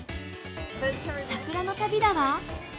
桜の旅だわ。